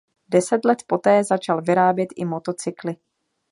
Deset let poté začal vyrábět i motocykly.